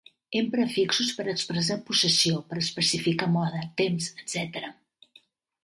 Empra afixos per expressar possessió, per especificar mode, temps, etc.